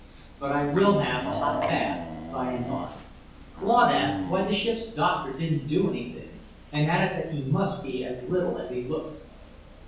But I will have a hot bath by and by." Claude asked why the ship's doctor didn't do anything and added that he must be as little as he looked.